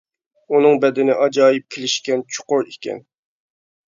ئۇنىڭ بەدىنى ئاجايىپ كېلىشكەن چوقۇر ئىكەن.